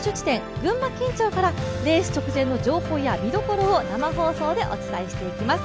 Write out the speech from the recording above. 群馬県庁からレース直前の情報や見どころを生放送でお伝えしていきます。